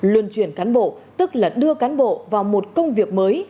luân chuyển cán bộ tức là đưa cán bộ vào một công việc mới